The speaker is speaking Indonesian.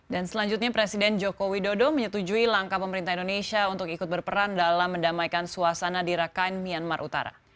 dan selanjutnya presiden joko widodo menyetujui langkah pemerintah indonesia untuk ikut berperan dalam mendamaikan suasana di rakhine myanmar utara